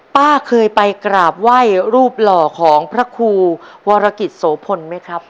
ป้าเคยไปกราบไหว้รูปหล่อของพระครูวรกิจโสพลไหมครับ